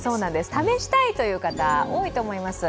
試したいという方、多いと思います